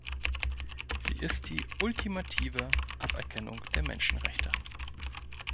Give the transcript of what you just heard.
Sie ist die ultimative Aberkennung der Menschenrechte.